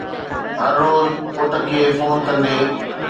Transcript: هر روز پٽ کي فون ڪندي